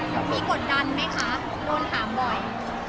มีกดดันไหมคะโดนถามบ่อย